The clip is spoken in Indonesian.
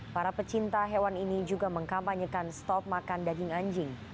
para pecinta hewan ini juga mengkampanyekan stop makan daging anjing